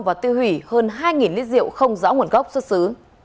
và tiêu hủy hơn hai lít rượu không rõ nguồn gốc xuất xứ